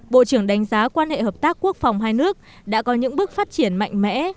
bộ trưởng đánh giá quan hệ hợp tác quốc phòng hai nước đã có những bước phát triển mạnh mẽ